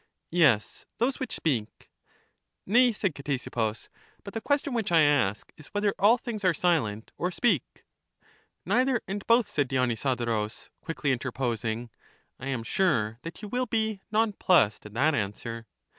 Yes; those which speak. \ Nay, said Ctesippus, but the question which I ask is whether all things are silent or speak? EUTHYDEMUS 265 Neither and both, said Dionysodorus, quickly inter posing; I am sure that you will be " non plussed " at that answer.